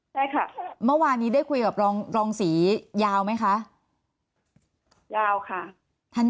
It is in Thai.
ใช่ค่ะเมื่อวานนี้ได้คุยกับรองรองศรียาวไหมคะยาวค่ะ